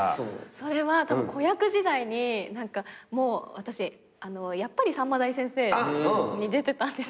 それはたぶん子役時代に私『やっぱりさんま大先生』に出てたんですけど。